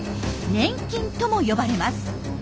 粘菌とも呼ばれます。